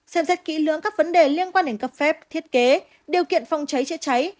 xem xét kỹ lưỡng các vấn đề liên quan đến cấp phép thiết kế điều kiện phòng cháy chữa cháy